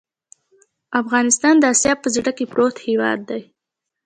افغانستان د آسیا په زړه کې پروت هېواد دی.